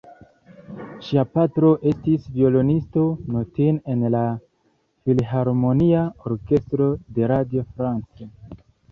Ŝia patro, estis violonisto notinde en la filharmonia orkestro de Radio France.